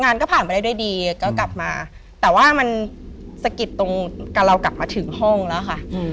งานก็ผ่านไปได้ด้วยดีก็กลับมาแต่ว่ามันสะกิดตรงกับเรากลับมาถึงห้องแล้วค่ะ